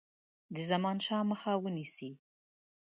د زمانشاه مخه ونیسي.